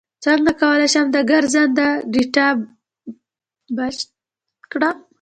څنګه کولی شم د ګرځنده ډاټا بچت کړم